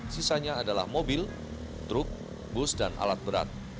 sisanya adalah mobil truk bus dan alat berat